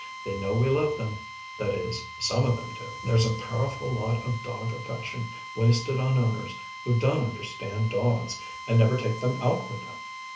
They know we love them that is, some of them do. There's a powerful lot of dog affection wasted on owners who don't understand dogs, and never take them out with them.